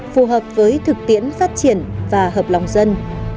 phù hợp với thực tiễn phát triển và hợp lòng dân